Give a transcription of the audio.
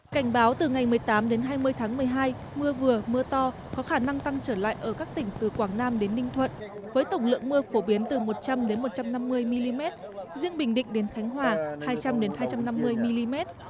cảnh báo từ ngày một mươi tám đến hai mươi tháng một mươi hai mưa vừa mưa to có khả năng tăng trở lại ở các tỉnh từ quảng nam đến ninh thuận với tổng lượng mưa phổ biến từ một trăm linh một trăm năm mươi mm riêng bình định đến khánh hòa hai trăm linh hai trăm năm mươi mm